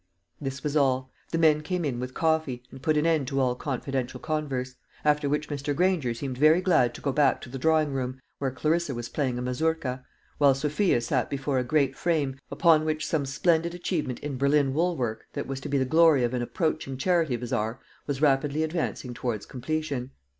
This was all. The men came in with coffee, and put an end to all confidential converse; after which Mr. Granger seemed very glad to go back to the drawing room, where Clarissa was playing a mazurka; while Sophia sat before a great frame, upon which some splendid achievement in Berlin woolwork, that was to be the glory of an approaching charity bazaar, was rapidly advancing towards completion.